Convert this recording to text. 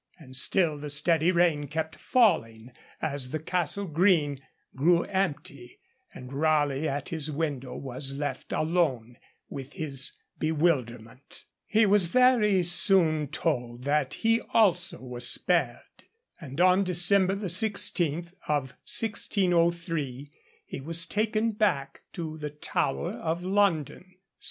And still the steady rain kept falling as the Castle Green grew empty, and Raleigh at his window was left alone with his bewilderment. He was very soon told that he also was spared, and on December 16, 1603, he was taken back to the Tower of London.